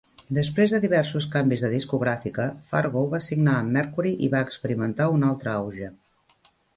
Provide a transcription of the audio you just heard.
Després de diversos canvis de discogràfica, Fargo va signar amb Mercury, i va experimentar un altre auge.